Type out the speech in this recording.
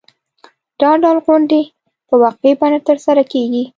دا ډول غونډې په وقفې بڼه ترسره کېږي.